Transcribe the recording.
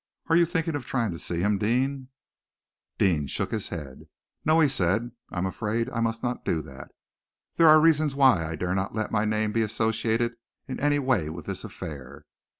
Are you thinking of trying to see him, Deane?" Deane shook his head. "No!" he said. "I am afraid I must not do that. There are reasons why I dare not let my name be associated in any way with this affair.